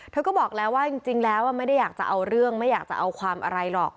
เธอก็บอกแล้วว่าจริงแล้วไม่ได้อยากจะเอาเรื่องไม่อยากจะเอาความอะไรหรอก